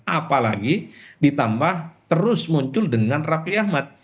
apalagi ditambah terus muncul dengan raffi ahmad